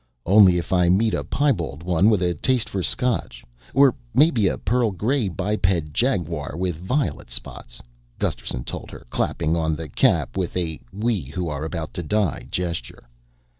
"Only if I meet a piebald one with a taste for Scotch or maybe a pearl gray biped jaguar with violet spots," Gusterson told her, clapping on the cap with a We Who Are About To Die gesture.